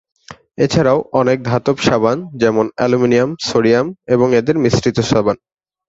এছাড়াও অনেক ধাতব সাবান যেমন অ্যালুমিনিয়াম, সোডিয়াম এবং এদের মিশ্রিত সাবান।